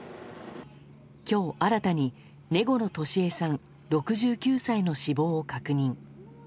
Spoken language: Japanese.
今日新たに根來敏江さん、６９歳の死亡を確認。